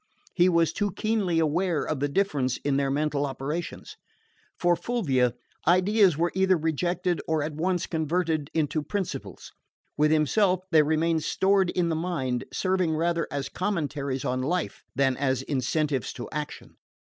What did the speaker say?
He was too keenly aware of the difference in their mental operations. With Fulvia, ideas were either rejected or at once converted into principles; with himself, they remained stored in the mind, serving rather as commentaries on life than as incentives to action.